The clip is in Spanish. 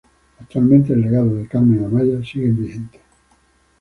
Actualmente, el legado de Carmen Amaya sigue vigente.